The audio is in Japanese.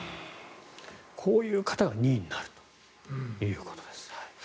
こういう方が２位になるということです。